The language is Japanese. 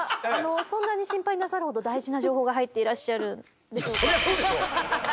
そんなに心配なさるほど大事な情報が入っていらっしゃるんでしょうか？